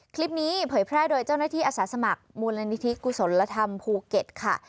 เผยแพร่โดยเจ้าหน้าที่อาสาสมัครมูลนิธิกุศลธรรมภูเก็ตค่ะ